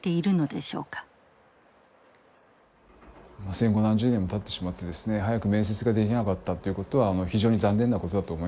戦後何十年もたってしまってですね早く面接ができなかったっていうことは非常に残念なことだと思います。